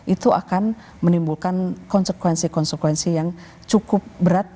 itu akan menimbulkan konsekuensi konsekuensi yang cukup berat